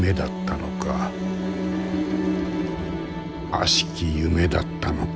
悪しき夢だったのか。